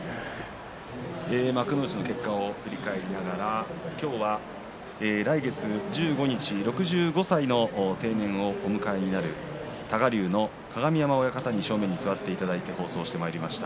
幕内の結果を振り返りながら今日は来月１５日、６５歳の定年をお迎えになる多賀竜の鏡山親方に正面に座っていただいて放送してまいりました。